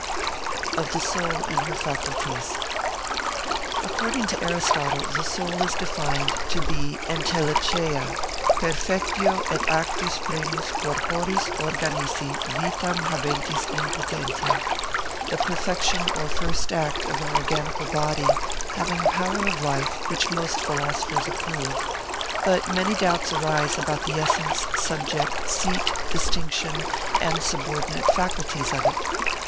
V.—Of the Soul and her Faculties. According to Aristotle, the soul is defined to be ἐντελέχεια, perfectio et actus primus corporis organici, vitam habentis in potentia: the perfection or first act of an organical body, having power of life, which most philosophers approve. But many doubts arise about the essence, subject, seat, distinction, and subordinate faculties of it.